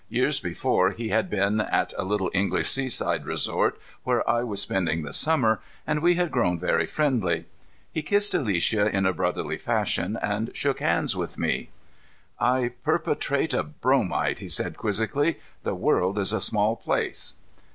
Years before he had been at a little English seaside resort where I was spending the summer and we had grown very friendly. He kissed Alicia in a brotherly fashion and shook hands with me. "I perpetrate a bromide," he said quizzically. "The world is a small place."